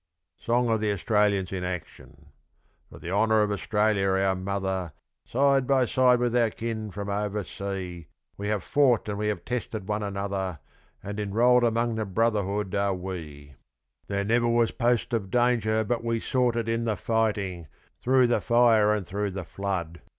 Song of the Australians in Action For the honour of Australia, our mother, Side by side with our kin from over sea, We have fought and we have tested one another, And enrolled among the brotherhood are we. There was never post of danger but we sought it In the fighting, through the fire, and through the flood.